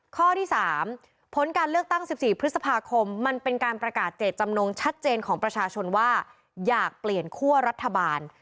ข้อที่๓ผลการเลือกตั้ง๑๔พฤษภาคมมันเป็นการประกาศเจตจำนงชัดเจนของประชาชนว่าอยากเปลี่ยนคั่วรัฐบาล